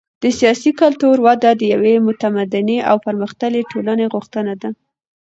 د سیاسي کلتور وده د یوې متمدنې او پرمختللې ټولنې غوښتنه ده.